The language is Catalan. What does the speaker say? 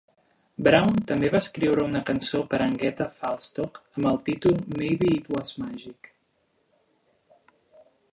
Brown també va escriure una cançó per a Agnetha Faltskog amb el títol "Maybe It Was Magic".